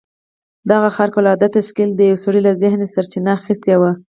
دغه خارق العاده تشکيل د يوه سړي له ذهنه سرچينه اخيستې وه.